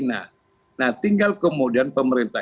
kalau misalnya sudah ada yang berjualan